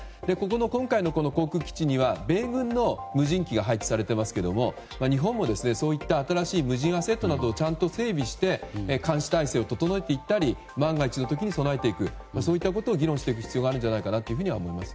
今回の航空基地には米軍の航空機が配置されていますけども日本もそういった新しい無人アセットなどを整備して監視体制を整えたり万が一の時に備えていくといった議論をしていくことが大事だと思います。